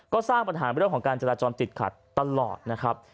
ก็สร้างปัญหาเรื่องของการจราจรติดขัดตลอดนะครับ